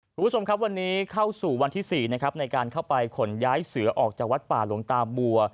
คุณผู้ชมครับวันนี้เข้าสู่วันที่๔นะครับในการเข้าไปขนย้ายเสือออกจากวัดป่าหลวงตาบัว